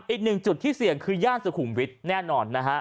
อีก๑จุดที่เสี่ยงคือย่านสุขุมวิทย์แน่นอน